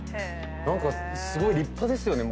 何かすごい立派ですよね